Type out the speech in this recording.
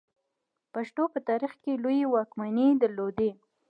پښتنو په تاریخ کې لویې واکمنۍ درلودې